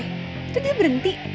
itu dia berhenti